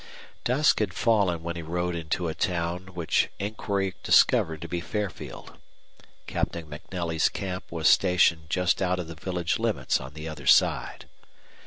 Dusk had fallen when he rode into a town which inquiry discovered to be Fairfield. Captain MacNelly's camp was stationed just out of the village limits on the other side.